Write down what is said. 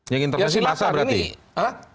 yang intervensi masa berarti